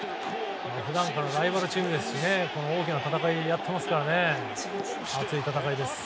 普段からライバルチームで大きな戦いをやっていますからね熱い戦いです。